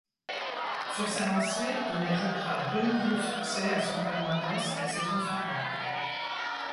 Sur sa lancée, il ajoutera deux nouveaux succès à son palmarès la saison suivante.